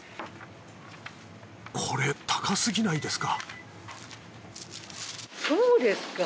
これ高すぎないですか？